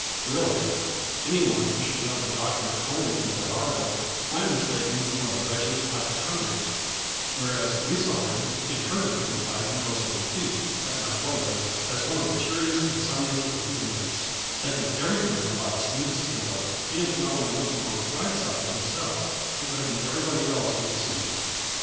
Really, any one who should know the doctor only from that article might mistake him for a wretched hypochondriac; whereas we saw him, and heard of him by universal repute at Magnolia, as one of the cheeriest and sunniest of the inmates, taking every thing by the smoothest handle, and not only looking on the bright side himself, but making everybody else do the same.